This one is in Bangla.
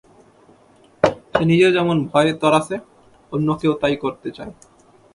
সে নিজেও যেমন ভয়-তরাসে, অন্যকেও তাই করতে চায়।